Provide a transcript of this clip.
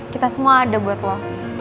kita semua ada buat lo